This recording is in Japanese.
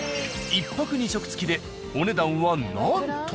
１泊２食付きでお値段はなんと。